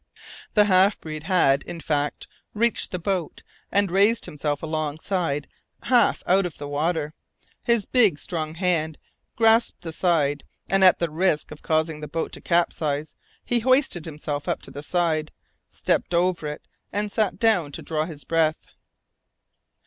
The half breed had, in fact, reached the boat and raised himself alongside half out of the water. His big, strong hand grasped the side, and at the risk of causing the boat to capsize, he hoisted himself up to the side, stepped over it, and sat down to draw his breath.